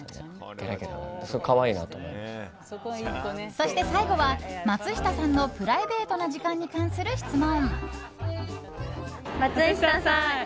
そして最後の質問は松下さんのプライベートな時間に関する質問。